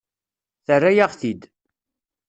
Terra-yaɣ-t-id.